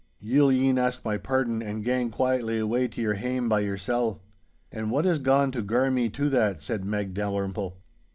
Ye'll e'en ask my pardon and gang quietly away to your hame by yoursel. 'And wha is gaun to gar me to that?' said Meg Dalrymple.